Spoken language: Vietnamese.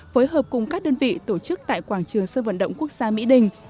phối hợp cùng các đơn vị tổ chức tại quảng trường sơn vận động quốc gia mỹ đình